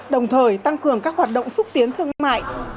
đồng thời tăng cường các hoạt động xúc tiến thương mại